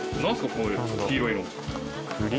この黄色いの。